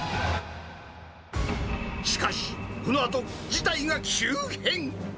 しかし、このあと、事態が急変。